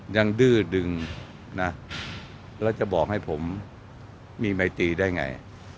ยังดื้อดึงและจะบอกให้ผมมีไม้ตีได้ไง